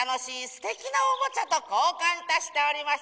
すてきなおもちゃとこうかんいたしております。